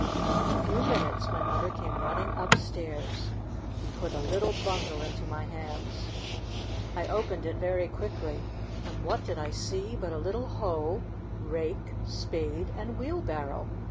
In a few minutes my mother came running up stairs, and put a little bundle into my hands. I opened it very quickly, and what did I see but a little hoe, rake, spade and wheelbarrow!